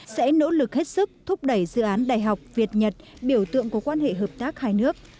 sẽ nỗ lực hết sức thúc đẩy dự án đại học việt nhật biểu tượng của quan hệ hợp tác hai nước